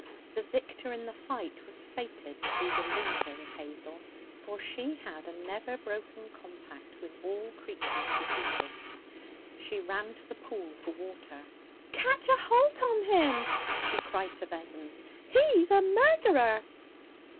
The victor in the fight was fated to be the loser with Hazel, for she had a never broken compact with all creatures defeated. She ran to the pool for water. 'Catch a holt on him!' she cried to Vessons; 'he's a murderer!'